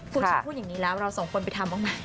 กูจะพูดอย่างงี้แล้วเราส่วนคนไปทำออกมา